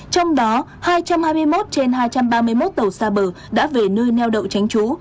trong đó hai trăm hai mươi một trên hai trăm ba mươi một tàu xa bờ đã về nơi neo đậu tránh trú